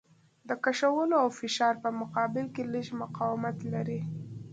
د کشولو او فشار په مقابل کې لږ مقاومت لري.